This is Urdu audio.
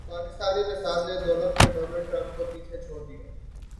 پاکستانی نژاد نے دولت میں ڈونلڈ ٹرمپ کو پیچھے چھوڑ دیا